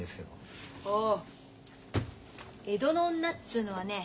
おう江戸の女っつうのはね